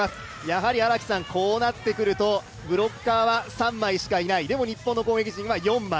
やはりこうなってくるとブロッカーは三枚しかいない、でも日本の攻撃陣は四枚。